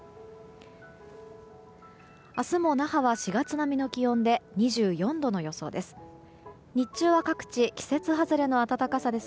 明日も那覇は４月並みの気温で２４度の予想です。